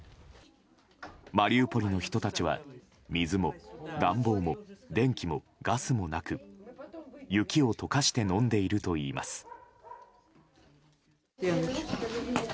マリウポリの人たちは水も暖房も電気もガスもなく雪を溶かして飲んでいるといいます。